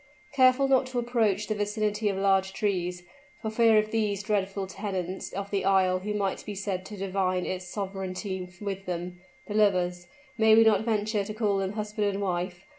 Careful not to approach the vicinity of large trees, for fear of these dreadful tenants of the isle who might be said to divide its sovereignty with them, the lovers may we not venture to call them husband and wife?